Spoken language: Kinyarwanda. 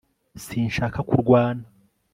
sinshaka kurwana